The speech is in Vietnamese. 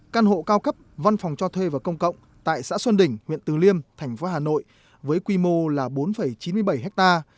căn hộ cao cấp văn phòng cho thuê và công cộng tại xã xuân đỉnh huyện từ liêm thành phố hà nội với quy mô là bốn chín mươi bảy hectare